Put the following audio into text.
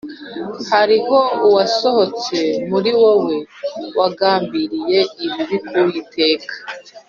Hariho uwasohotse muri wowe wagambiriye ibibi ku Uwiteka